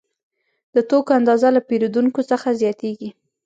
د توکو اندازه له پیرودونکو څخه زیاتېږي